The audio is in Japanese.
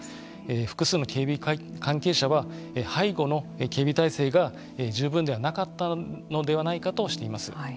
複数の警備関係者は背後の警備態勢が十分ではなかったのではないかとしています。